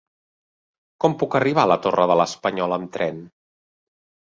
Com puc arribar a la Torre de l'Espanyol amb tren?